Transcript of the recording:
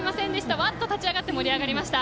わっと立ち上がって盛り上がりました。